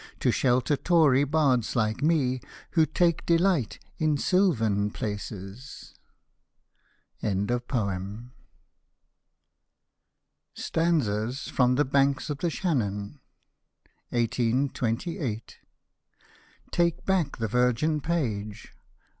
To shelter Tory bards, like me. Who take delight in Sylvan places / STANZAS FROM THE BANKS OF THE SHANNON 1828. " Take back the virgin page."